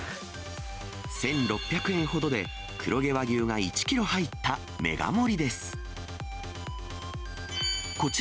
１６００円ほどで黒毛和牛が１キロ入ったメガ盛りです。